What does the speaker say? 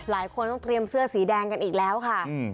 หลายคนต้องเตรียมเสื้อสีแดงกันอีกแล้วค่ะ